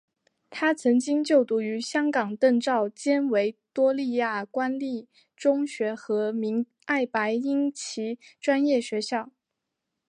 他曾经就读于香港邓肇坚维多利亚官立中学和明爱白英奇专业学校。